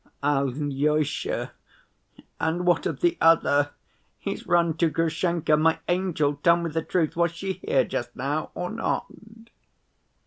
"Alyosha, and what of the other? He's run to Grushenka. My angel, tell me the truth, was she here just now or not?"